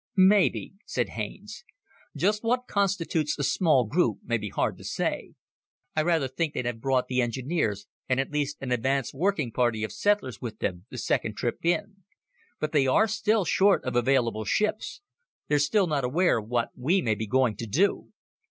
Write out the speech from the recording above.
"Maybe," said Haines. "Just what constitutes a small group may be hard to say. I rather think they'd have brought the engineers and at least an advance working party of settlers with them the second trip in. But they are still short of available ships they're still not aware of what we may be going to do."